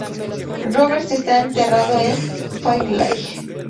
Roberts está enterrado en Fairlight.